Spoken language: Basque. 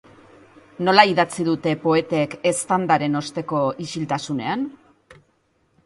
Nola idatzi dute poetek eztandaren osteko isiltasunean?